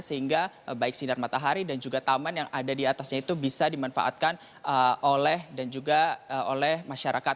sehingga baik sinar matahari dan juga taman yang ada di atasnya itu bisa dimanfaatkan oleh dan juga oleh masyarakat